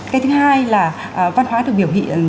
cái thứ hai là văn hóa được biểu hiện